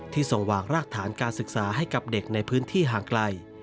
ส่งวางรากฐานการศึกษาให้กับเด็กในพื้นที่ห่างไกล